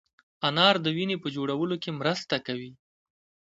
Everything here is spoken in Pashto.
انار د وینې په جوړولو کې مرسته کوي.